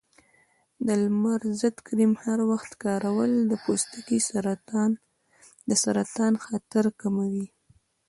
د لمر ضد کریم هر وخت کارول د پوستکي د سرطان خطر کموي.